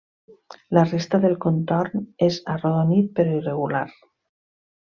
La resta del contorn és arrodonit però irregular.